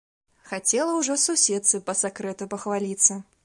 Хацела ўжо суседцы па сакрэту пахваліцца.